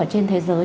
ở trên thế giới